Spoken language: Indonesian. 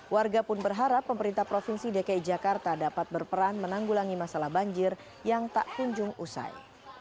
warga pun berharap pemerintah provinsi dki jakarta dapat berperan menanggulangi masalah banjir yang tak kunjung usai